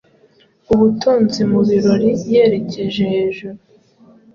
Ubutunzi mu birori Yerekeje hejuru